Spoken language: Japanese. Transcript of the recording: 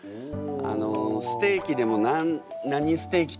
あのステーキでも何ステーキっていうんですかね？